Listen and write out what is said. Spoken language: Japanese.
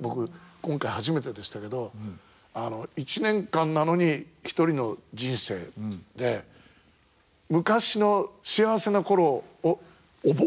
僕今回初めてでしたけど１年間なのに一人の人生で昔の幸せな頃を思い出しちゃうっていうか。